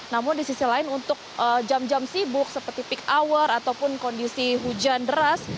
namun di sisi lain untuk jam jam sibuk seperti peak hour ataupun kondisi hujan deras